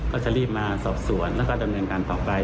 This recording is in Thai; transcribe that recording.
ก็จะรีบมาสอบสวนแล้วก็ดำเนินการต่อไป